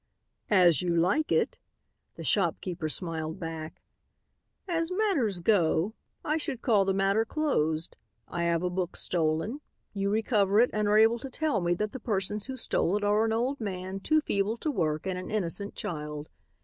"As you like it," the shopkeeper smiled back. "As matters go, I should call the matter closed. I have a book stolen. You recover it and are able to tell me that the persons who stole it are an old man, too feeble to work, and an innocent child.